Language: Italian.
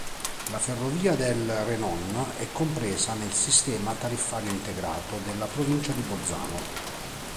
La ferrovia del Renon è compresa nel sistema tariffario integrato della provincia di Bolzano.